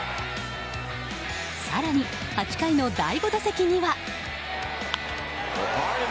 更に、８回の第５打席には。